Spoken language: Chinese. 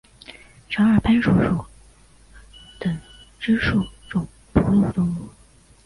长耳攀鼠属等之数种哺乳动物。